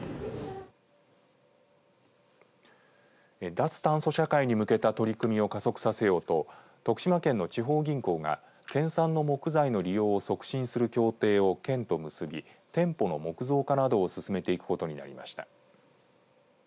脱炭素社会に向けた取り組みを加速させようと徳島県の地方銀行が県産の木材の利用を促進する協定を県と結び店舗の木造化などを進めていくことになりました。